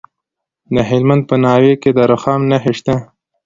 د هلمند په ناوې کې د رخام نښې شته.